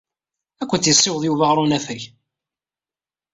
Ad kent-yessiweḍ Yuba ɣer unafag.